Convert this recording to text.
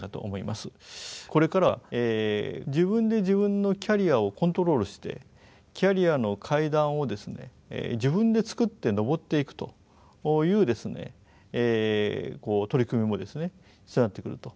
これからは自分で自分のキャリアをコントロールしてキャリアの階段を自分で作って上っていくという取り組みも必要になってくると。